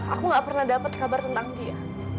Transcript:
aku gak pernah dapat kabar tentang dia